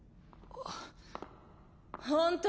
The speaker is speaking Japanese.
あっ。